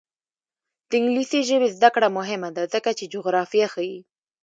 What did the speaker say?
د انګلیسي ژبې زده کړه مهمه ده ځکه چې جغرافیه ښيي.